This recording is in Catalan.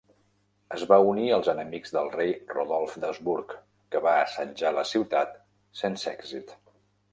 Es va unir als enemics del rei Rodolf d'Habsburg, que va assetjar la ciutat sense èxit.